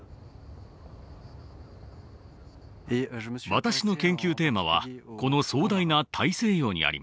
私の研究テーマはこの壮大な大西洋にあります。